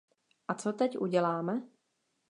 A co teď uděláme?